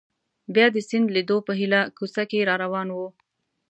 بیا د سیند لیدو په هیله کوڅه کې را روان وو.